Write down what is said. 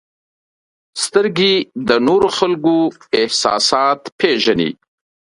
• سترګې د نورو خلکو احساسات پېژني.